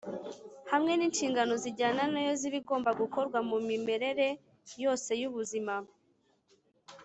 hamwe n’inshingano zijyana na yo z’ibigomba gukorwa mu mimerere yose y’ubuzima